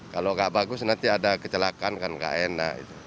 kalau tidak bagus nanti ada kecelakaan